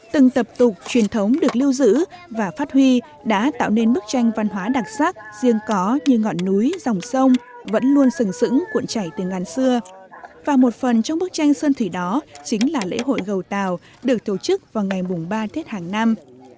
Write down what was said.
từng tập tục truyền thống được lưu giữ và phát huy đã tạo nên bức tranh văn hóa đặc sắc riêng có như ngọn núi dòng sông vẫn luôn sừng sững cuộn chảy từ ngàn xưa và một phần trong bức tranh sơn thủy đó chính là lễ hội gầu tàu được tổ chức vào ngày ba tết hàng năm